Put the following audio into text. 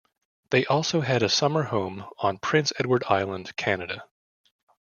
They also had a summer home on Prince Edward Island, Canada.